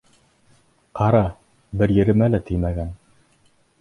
Ҡара, бер еремә лә теймәгән!